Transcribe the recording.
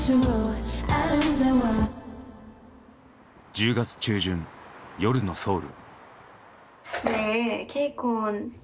１０月中旬夜のソウル。